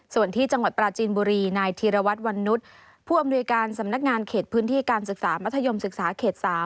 ส่วนที่จังหวัดปราจีนบุรีนายธีรวัตรวันนุษย์ผู้อำนวยการสำนักงานเขตพื้นที่การศึกษามัธยมศึกษาเขต๓